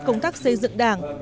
công tác xây dựng đảng